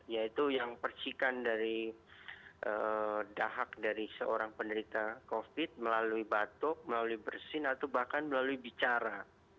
yaitu yang percikan dari dahak dari seorang penderita covid melalui batuk melalui bersin atau bahkan melalui bicara